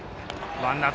ワンアウト。